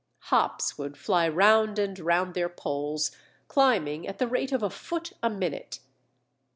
Hops would fly round and round their poles, climbing at the rate of a foot a minute.